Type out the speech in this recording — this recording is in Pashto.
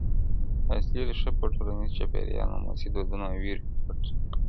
اصلي ريښه په ټولنيز چاپېريال ناموسي دودونو او وېرو کي پټه پرته ده,